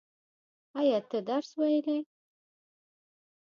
ایا ته درس ویلی؟